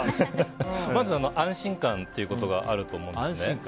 まず安心感ということがあると思うんですね。